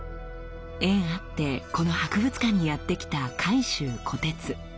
縁あってこの博物館にやってきた海舟虎徹。